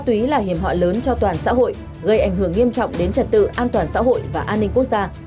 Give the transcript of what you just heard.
tuy là hiểm họa lớn cho toàn xã hội gây ảnh hưởng nghiêm trọng đến trật tự an toàn xã hội và an ninh quốc gia